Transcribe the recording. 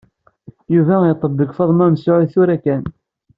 Yuba iṭebbeg Faḍma Mesɛud tura kan.